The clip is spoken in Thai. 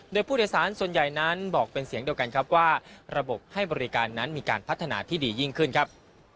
โดยผู้โดยสารส่วนใหญ่นั้นบอกเป็นเสียงเดียวกันครับว่าระบบให้บริการนั้นมีการพัฒนาที่ดียิ่งขึ้นครับ